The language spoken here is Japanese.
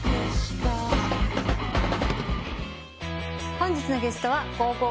本日のゲストはｇｏ！